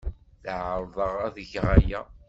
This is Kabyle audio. La ɛerrḍeɣ ad geɣ aya.